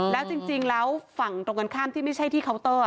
แล้วจริงแล้วฝั่งตรงกันข้ามที่ไม่ใช่ที่เคาน์เตอร์